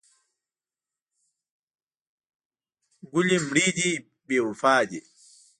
ګلې مړې دې بې وفا دي.